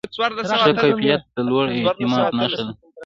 ښه کیفیت د لوړ اعتماد نښه ده.